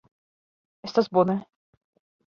Estas bone.